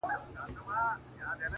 سره ورک یې کړل زامن وروڼه پلرونه.!